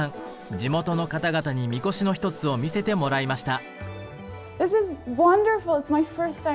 地元の方々にみこしの一つを見せてもらいました。